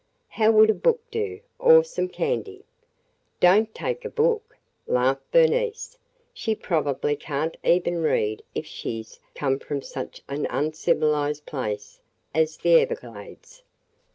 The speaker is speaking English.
How would a book do, or some candy?" "Don't take a book!" laughed Bernice. "She probably can't even read if she 's come from such an uncivilized place as the Everglades.